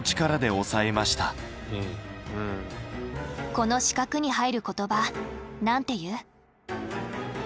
この四角に入る言葉なんて言う？